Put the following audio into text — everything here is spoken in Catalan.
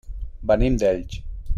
Venim d'Elx.